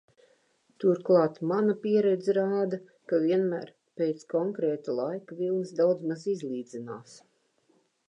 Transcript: Turklāt, mana pieredze rāda, ka vienmēr pēc konkrēta laika, vilnis daudzmaz izlīdzinās.